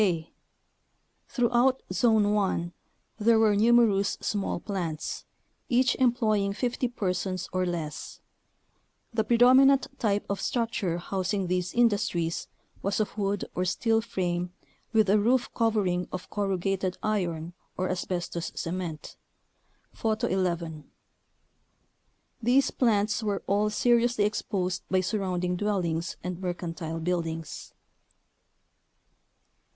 k. Throughout Zone 1 there were numerous small plants, each employing 50 persons or less. The predominant type of structure housing these industries was of wood or steel frame with a roof covering of corrugated iron or as bestos cement (Photo 11). These plants were all seriously exposed by surrounding dwellings and mercantile buildings.